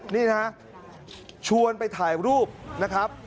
นี่นะฮะชวนไปถ่ายรูปนะครับ